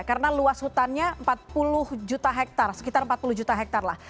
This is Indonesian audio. karena luas hutannya empat puluh juta hektare sekitar empat puluh juta hektare lah